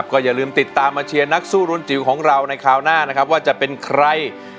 ก็อย่าลืมติดตามมาเชียร์นักสู้รุ่นจิ๋วของเราในคราวหน้านะครับว่าจะเป็นใคร